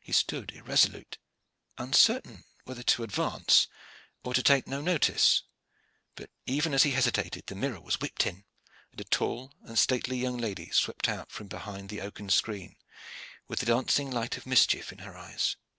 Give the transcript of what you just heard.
He stood irresolute, uncertain whether to advance or to take no notice; but, even as he hesitated, the mirror was whipped in, and a tall and stately young lady swept out from behind the oaken screen, with a dancing light of mischief in her eyes.